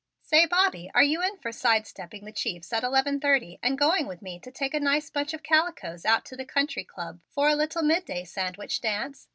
"Say, Bobby, are you in for side stepping the chiefs at eleven thirty and going with me to take a nice bunch of calicoes out to the Country Club for a little midday sandwich dance?